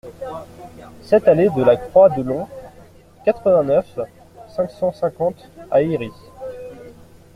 sept allée de la Croix de Long, quatre-vingt-neuf, cinq cent cinquante à Héry